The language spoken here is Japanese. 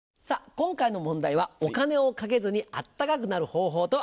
今回の問題は「お金をかけずに温かくなる方法とは？」